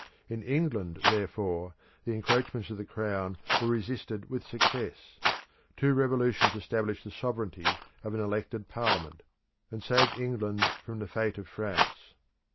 In England, therefore, the encroachments of the Crown were resisted with success. Two revolutions established the sovereignty of an elected parliament, and saved England from the fate of France.